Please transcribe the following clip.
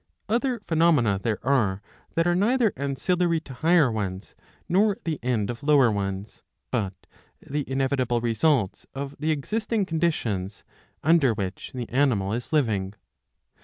Other phenomena there are that are [neither ancillary to higher ones, nor the end of lower ones, but] the inevitable results of the existing conditions [under which the animal is living].